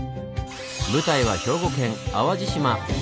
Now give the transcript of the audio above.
舞台は兵庫県淡路島。